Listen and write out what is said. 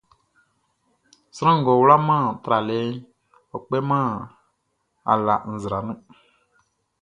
Sran ngʼɔ wlaman tralɛʼn, ɔ kpêman ala nzra nun.